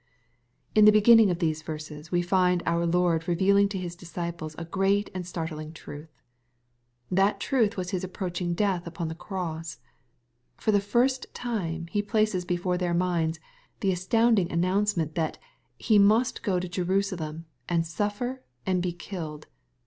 In the beginning of these verses we find our Lord revealing to His disciples a great and startling truth. That truth was His approaching death upon the cross. For the first time He places before their minds the astounding announcement, that " He must go to Jeru salem, and sijffer — and be killed."